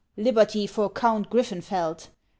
Liberty for Count Griffeufeld !